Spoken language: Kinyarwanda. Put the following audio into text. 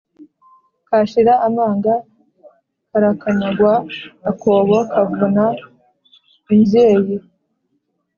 Kashira amanga karakanyagwa-Akobo kavuna imbyeyi.